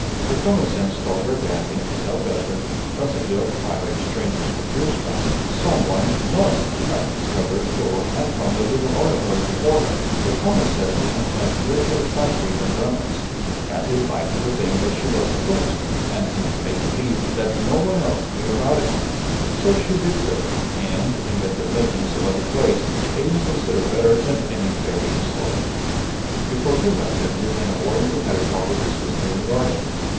Her common sense told her that in a hotel bedroom constantly occupied by strangers for years past, some one must have discovered the door and found the little oratory before her; but common sense is sometimes less satisfactory than romance. Katy liked to think that she was the first, and to "make believe" that no one else knew about it; so she did so, and invented legends about the place which Amy considered better than any fairy story. Before he left them Lieutenant Worthington had a talk with his sister in the garden.